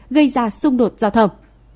gây ra xung đột giao thông